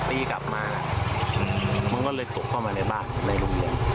ปีกว่าเดือด